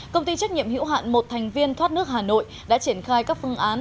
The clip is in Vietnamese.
công ty trách nhiệm hữu hạn một thành viên thoát nước hà nội đã triển khai các phương án